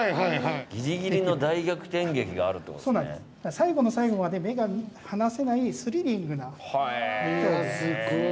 最後の最後まで目が離せないスリリングな競技なんです。